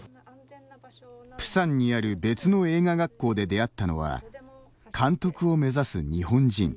プサンにある別の映画学校で出会ったのは監督を目指す日本人。